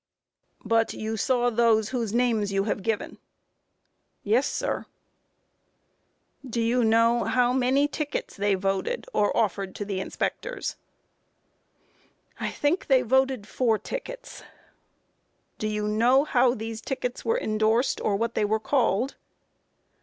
Q. But you saw those whose names you have given? A. Yes, sir. Q. Do you know how many tickets they voted, or offered to the inspectors? A. I think they voted four tickets. Q. Do you know how these tickets were endorsed, or what they were called?